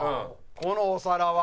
このお皿は」